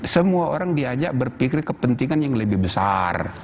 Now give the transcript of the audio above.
semua orang diajak berpikir kepentingan yang lebih besar